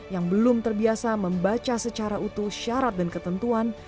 yang belum terbiasa membaca secara utuh syarat dan ketentuan